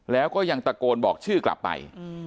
แล้วก็ยังตะโกนบอกชื่อกลับไป